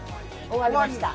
終わりました？